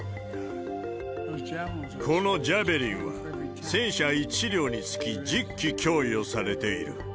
このジャベリンは、戦車１両につき１０基供与されている。